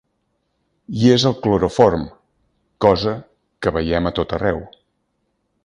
I és el cloroform, cosa que veiem a tot arreu.